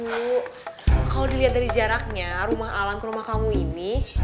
kalau dilihat dari jaraknya rumah alam ke rumah kamu ini